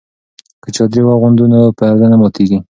که چادري واغوندو نو پرده نه ماتیږي.